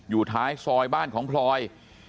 อยู่ท้ายซอยบ้านของพลอย